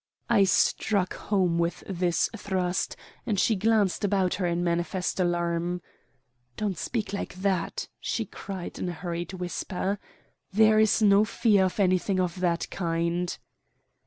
I struck home with this thrust; and she glanced about her in manifest alarm. "Don't speak like that," she cried in a hurried whisper. "There is no fear of anything of that kind."